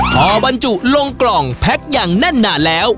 พอบรรจุลงกล่องแพ็คอย่างแน่นหนาแล้ว